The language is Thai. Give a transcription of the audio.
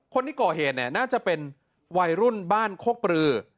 คนที่ก่อเหตุเนี่ยน่าจะเป็นวัยรุ่นบ้านโคกปรือ